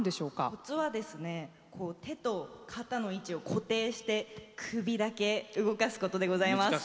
コツは手と肩の位置を固定して首だけ動かすことでございます。